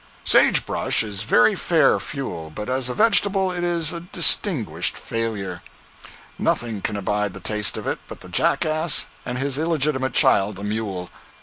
Sage brush is very fair fuel, but as a vegetable it is a distinguished failure. Nothing can abide the taste of it but the jackass and his illegitimate child the mule.